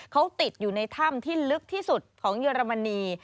เขาติดอยู่ในถ้ำที่ลึกที่สุดของเยอรมนี